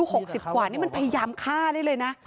หกสิบกว่านี่มันพยายามฆ่าได้เลยนะ